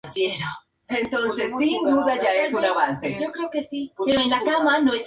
Hay diferentes maneras en que la autoridad legal puede desarrollarse.